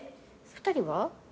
２人は？